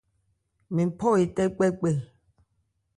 Mɛ́n phɔ etɛ́ kpɛ́kpɛ.